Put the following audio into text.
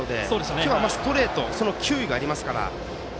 今日はストレートの球威がありますから。